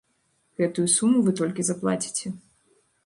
Гэтую суму вы толькі заплаціце.